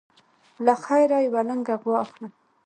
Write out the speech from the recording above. له خیره یوه لنګه غوا اخلم.